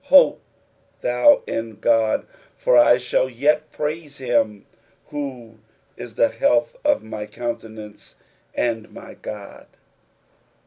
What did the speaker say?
hope thou in God : for I shall yet praise him, who is the health of my countenance, and my God.